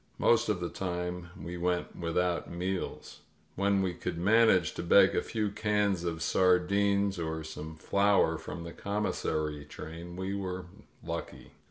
Most of the time we went without meals. When we could manage to beg a few cans of sardines or some flour from the commissary train we were lucky.